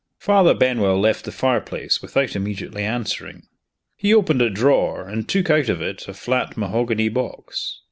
Father Benwell left the fireplace without immediately answering. He opened a drawer and took out of it a flat mahogany box.